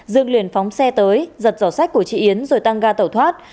dương liền phóng xe tới giật giỏ sách của chị yến rồi tăng ga tẩu thoát